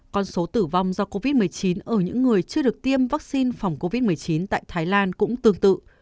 con số tử vong do covid một mươi chín ở những người chưa được tiêm vaccine phòng covid một mươi chín tại thái lan cũng tương tự